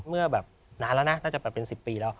เมื่อนั้นแล้วน่าจะเป็น๑๐ปีแล้ว